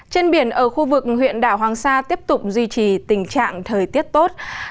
trên biển ở khu vực huyện đảo hoàng sa tiếp tục duy trì tình trạng thời tiết tốt